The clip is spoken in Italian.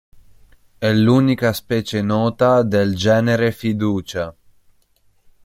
È l'unica specie nota del genere Fiducia.